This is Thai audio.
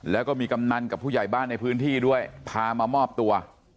แล้วก็มีกำนันกับผู้ใหญ่บ้านในพื้นที่ด้วยพามามอบตัว